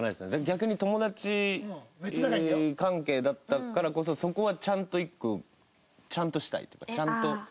逆に友達関係だったからこそそこはちゃんと１個ちゃんとしたいっていうかちゃんと言いたい。